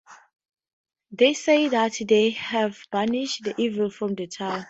They say that they have banished the evils from the town.